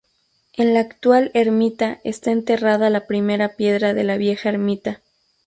En la actual ermita está enterrada la primera piedra de la vieja ermita.